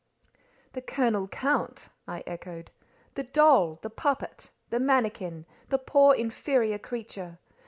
"The Colonel Count!" I echoed. "The doll—the puppet—the manikin—the poor inferior creature!